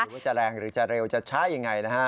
หรือว่าจะแรงหรือจะเร็วหรือจะช้าอย่างไรนะคะ